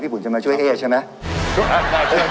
พี่ผุ่นจะมาช่วยเอ่อใช่ไหม